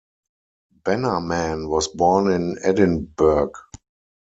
Bannerman was born in Edinburgh.